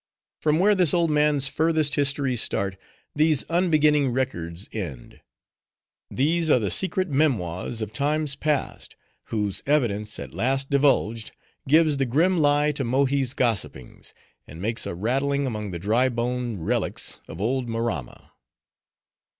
From where this old man's furthest histories start, these unbeginning records end. These are the secret memoirs of times past; whose evidence, at last divulged, gives the grim lie to Mohi's gossipings, and makes a rattling among the dry bone relics of old Maramma."